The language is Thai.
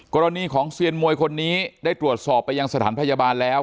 กรณีของเซียนมวยคนนี้ได้ตรวจสอบไปยังสถานพยาบาลแล้ว